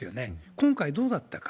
今回、どうだったか。